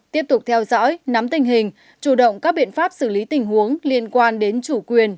tiếp tục theo dõi nắm tình hình chủ động các biện pháp xử lý tình huống liên quan đến chủ quyền